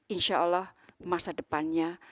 insya allah masa depannya